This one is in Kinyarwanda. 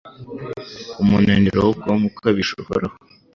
ku munaniro w'ubwonko ukabije uhoraho